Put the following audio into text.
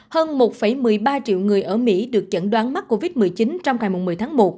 hơn một một mươi ba triệu người ở mỹ được chẩn đoán mắc covid một mươi chín trong ngày một mươi tháng một